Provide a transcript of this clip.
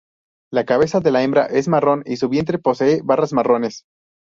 La cabeza de la hembra es marrón y su vientre posee barras marrones.